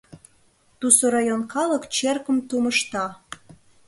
Тусо район калык черкым тумышта.